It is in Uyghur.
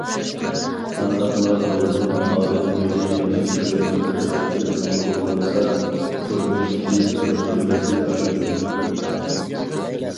قانداقلا بولسۇن، ئادەم ئۆزى ياخشى كۆرىدىغان خىزمەت بىلەن شۇغۇللانسا، تۇرمۇشتىكى بەخت تۇيغۇسى ئاشىدۇ.